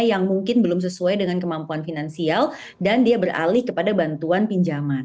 yang mungkin belum sesuai dengan kemampuan finansial dan dia beralih kepada bantuan pinjaman